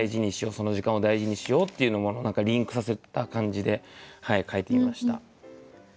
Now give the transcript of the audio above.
その時間を大事にしようっていうものをリンクさせた感じで書いてみました。